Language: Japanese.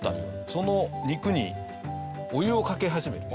その肉にお湯をかけ始める。